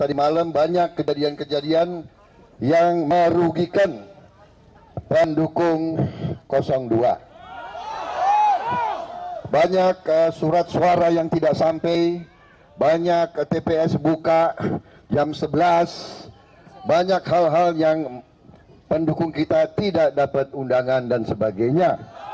dan dan sebagainya